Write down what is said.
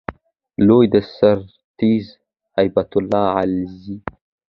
لوی درستیز هیبت الله علیزی